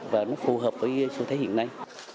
và nó phù hợp với xu thế hiện nay